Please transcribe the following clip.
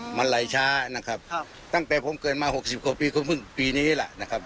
อืมมันไหลช้านะครับครับตั้งแต่ผมเกินมาหกสิบกว่าปีเข้าพึ่งปีนี้แหละนะครับ